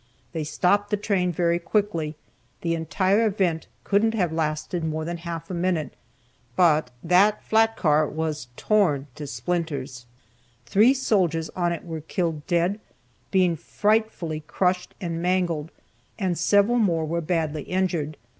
They stopped the train very quickly, the entire event couldn't have lasted more than half a minute, but that flat car was torn to splinters, three soldiers on it were killed dead, being frightfully crushed and mangled, and several more were badly injured.